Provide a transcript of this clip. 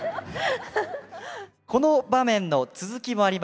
この場面の続きもあります。